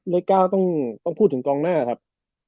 เลข๙ต้องพูดถึงกองหน้าครับ